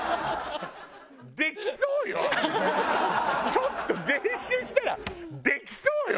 ちょっと練習したらできそうよ！